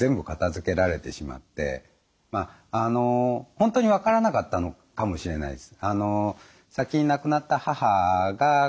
本当に分からなかったのかもしれないです。